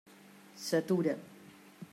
S'atura.